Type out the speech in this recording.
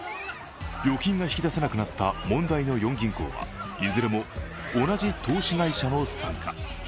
預金が引き出せなくなった問題の４銀行はいずれも同じ投資会社の傘下。